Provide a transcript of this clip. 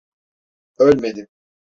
Ölmedim.